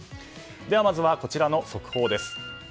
ではまずはこちらの速報です。